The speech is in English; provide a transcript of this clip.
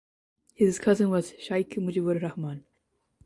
His cousin was Sheikh Mujibur Rahman.